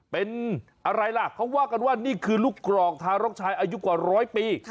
เป็นอะไรล่ะเขาว่ากันว่านี่คือลูกกรอกทารกชายอายุกว่าร้อยปี